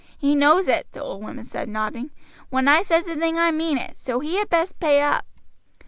"He knows it," the old woman said, nodding. "When I says a thing I mean it. So he had best pay up."